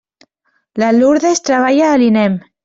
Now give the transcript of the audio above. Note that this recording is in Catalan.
La Lurdes treballa a l'INEM.